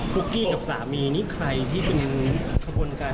ปุ๊กกี้กับสามีนี่ใครที่จึงขบวนการ